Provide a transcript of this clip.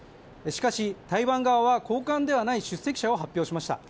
しかし、台湾側は高官ではない出席者を発表しました。